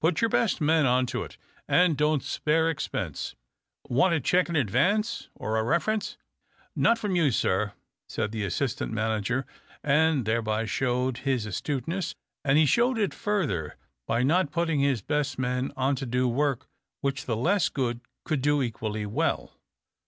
Put your best men on to it, and don't spare expense. Want a cheque in advance, or a reference ?"" Not from you, sir," said the assistant manager, and thereby showed his astute ness ; and he showed it further by not 302 THE OCTAVE OF CLAUDIUS. putting his best men on to do work which the less good could do equally well.